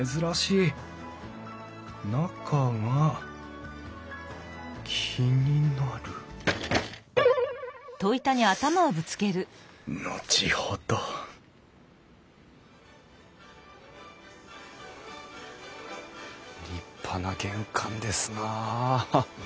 中が気になる後ほど立派な玄関ですなあ。